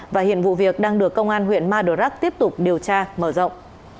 và hiện vụ việc đang được công an huyện madurak tiếp tục điều tra mở rộng